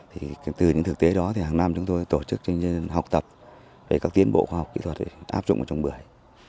thì từ những thực tế đó thì hàng năm chúng tôi tổ chức những học tập để các tiến bộ khoa học kỹ thuật áp dụng vào trồng bưởi